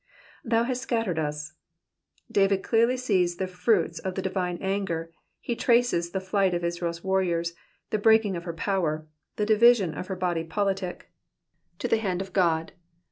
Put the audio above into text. *^ Thou Juist scattered us,^^ David clearly sees the fruits of the divine anger, he traces the flight of Israelis warriors, the breaking of her power, the division in her body politic, to the hand of God.